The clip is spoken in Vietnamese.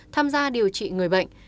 tham gia điều trị người bệnh